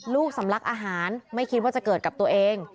สำลักอาหารไม่คิดว่าจะเกิดกับตัวเอง